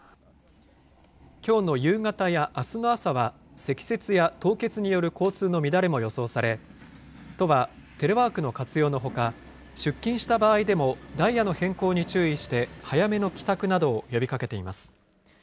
きょうの夕方やあすの朝は、積雪や凍結による交通の乱れも予想され、都はテレワークの活用のほか、出勤した場合でも、ダイヤの変更に注意して、早めの帰宅などを呼びかけています。